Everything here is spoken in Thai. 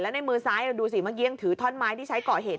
ในมือซ้ายเราดูสิเมื่อกี้ยังถือท่อนไม้ที่ใช้ก่อเหตุ